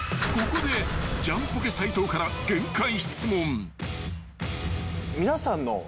［ここでジャンポケ斉藤から限界質問］